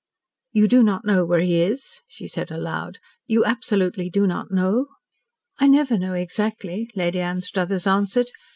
"You do not know where he is?" she said aloud. "You absolutely do not know?" "I never know exactly," Lady Anstruthers answered.